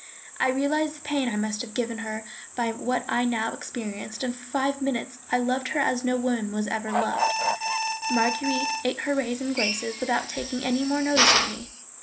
I realized the pain I must have given her by what I now experienced, and for five minutes I loved her as no woman was ever loved. Marguerite ate her raisins glaces without taking any more notice of me.